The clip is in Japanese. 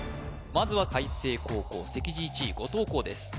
まずは開成高校席次１位後藤弘です